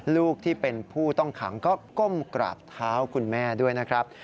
ลูกที่เป็นผู้ต้องขังก็ก้มกราบเท้าคุณแม่ด้วยนะครับ